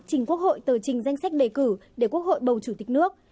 trình quốc hội tờ trình danh sách đề cử để quốc hội bầu chủ tịch nước